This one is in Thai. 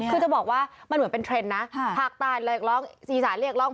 คือจะบอกว่ามันเหมือนเป็นเทรนด์นะผ่าตายเรียกร้องสื่อสารเรียกร้อง